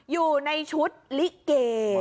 อยู่ในชุดลิเก